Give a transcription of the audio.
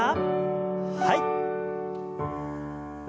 はい。